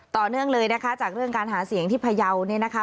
ต่อเนื่องเลยนะคะจากเรื่องการหาเสียงที่พยาวเนี่ยนะคะ